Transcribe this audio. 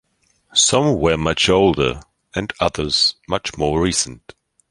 Some were much older and others much more recent.